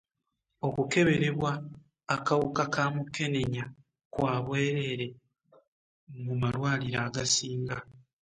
Okukeberebwa akawuka ka mukenenya kwa bwereere mu malwaliro agasinga.